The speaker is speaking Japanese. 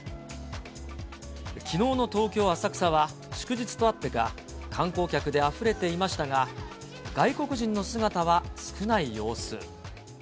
きのうの東京・浅草は、祝日とあってか観光客であふれていましたが、外国人の姿は少ない様子。